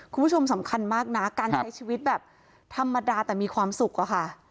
คุณผู้ชมสำคัญมากนะการใช้ชีวิตแบบธรรมดาแต่มีความสุขอะค่ะ